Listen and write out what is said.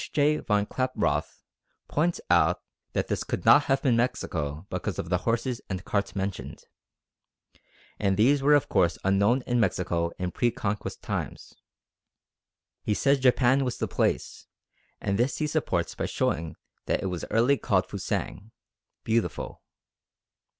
J. von Klaproth points out that this could not have been Mexico because of the horses and carts mentioned, and these were of course unknown in Mexico in pre Conquest times. He says Japan was the place, and this he supports by showing that it was early called Fusang (beautiful).